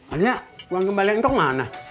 hanya uang kembalian itu kemana